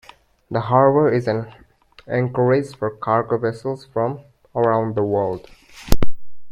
The harbour is an anchorage for cargo vessels from around the world.